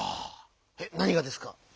えなにがですか？